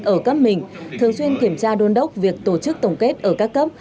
ở cấp mình thường xuyên kiểm tra đôn đốc việc tổ chức tổng kết ở các cấp